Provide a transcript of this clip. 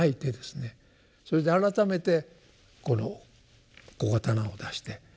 それで改めてこの小刀を出して。